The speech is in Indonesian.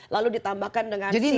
lalu ditambahkan dengan silitol